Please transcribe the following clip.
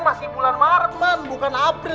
masih bulan maret bukan april